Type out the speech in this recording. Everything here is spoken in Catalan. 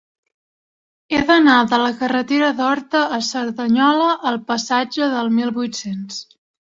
He d'anar de la carretera d'Horta a Cerdanyola al passatge del Mil vuit-cents.